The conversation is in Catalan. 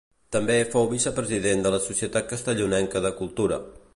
També fou vicepresident de la Societat Castellonenca de Cultura.